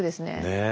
ねえ。